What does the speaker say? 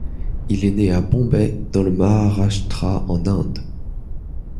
Il est né à Bombay dans le Maharashtra en Inde.